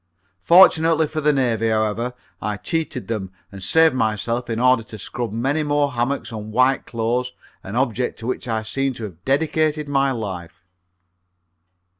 Fortunately for the Navy, however, I cheated them and saved myself in order to scrub many more hammocks and white clothes, an object to which I seem to have dedicated my life.